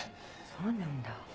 そうなんだ。